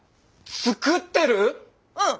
作ってる⁉うん。